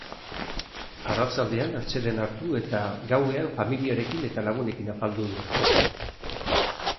Arratsaldean atseden hartu, eta gauean familiarekin eta lagunekin afaldu du.